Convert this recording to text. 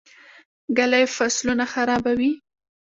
ږلۍ فصلونه خرابوي.